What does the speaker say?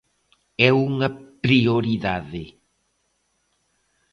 É unha prioridade.